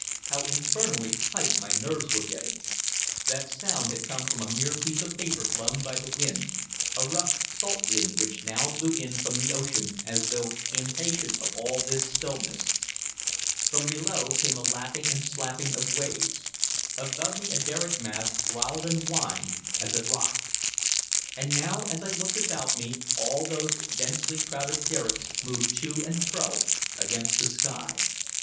How infernally tight my nerves were getting. The sound had come from a mere piece of paper blown by the wind a rough salt wind which now blew in from the ocean as though impatient of all this stillness. From below came a lapping and slapping of waves. Above me a derrick mast growled and whined as it rocked. And now as I looked about me all those densely crowded derricks moved to and fro against the sky.